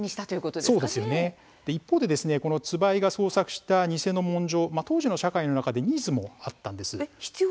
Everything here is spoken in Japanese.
一方で椿井が創作した偽の文書当時の社会の中でニーズもあったんです。